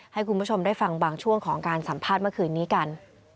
ให้คุณผู้ชมได้ฟังบางช่วงของการสัมภาษณ์เมื่อคืนนี้กัน